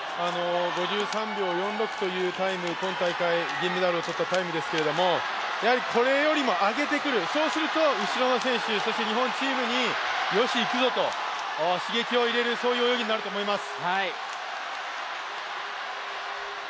５３秒４６というタイム、今大会銀メダルを取ったタイムですけどこれよりも上げてくる、そうすると後ろの選手そして日本チームによし、いくぞと刺激を入れるそういう泳ぎになると思います。